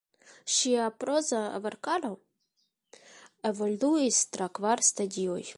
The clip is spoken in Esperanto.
Ŝia proza verkaro evoluis tra kvar stadioj.